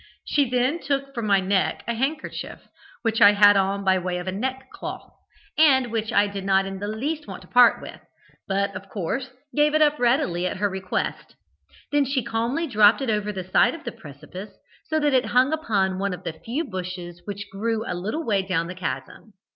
She then took from my neck a handkerchief, which I had on by way of a neck cloth, and which I did not in the least want to part with, but, of course, gave it up readily at her request; then she calmly dropped it over the side of the precipice, so that it hung upon one of the few bushes which grew a little way down the chasm.